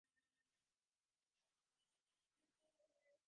ނިމޭ ތާރީޚު